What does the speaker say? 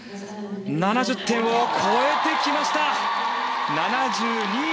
７０点を超えてきました！